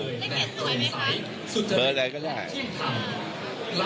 อันนี้จะต้องจับเบอร์เพื่อที่จะแข่งกันแล้วคุณละครับ